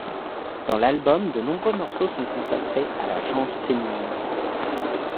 Dans l'album de nombreux morceaux sont consacrés à la gent féminine.